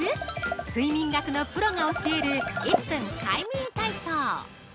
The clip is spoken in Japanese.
睡眠学のプロが教える１分快眠体操。